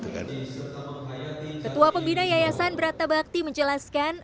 ketua pembina yayasan berata bakti menjelaskan